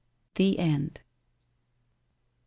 ' THE END i